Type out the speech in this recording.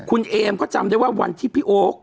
คุณเอมเขาจำได้ว่าวันที่พี่โอ๊ค